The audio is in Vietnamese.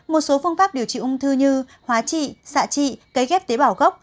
một số phương pháp điều trị ung thư như hóa trị xạ trị cấy ghép tế bào gốc